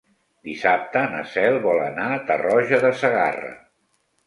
Dissabte na Cel vol anar a Tarroja de Segarra.